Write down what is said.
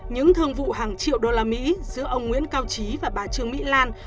những thương vụ hàng triệu đô la mỹ giữa ông nguyễn cao trí và bà trương mỹ lan